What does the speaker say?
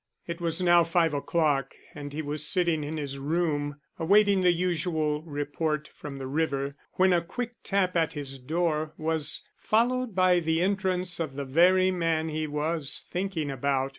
It was now five o'clock and he was sitting in his room awaiting the usual report from the river, when a quick tap at his door was followed by the entrance of the very man he was thinking about.